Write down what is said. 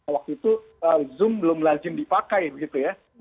waktu itu zoom belum lazim dipakai begitu ya